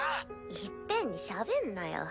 いっぺんにしゃべんなよ。